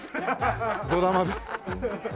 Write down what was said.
ドラマで。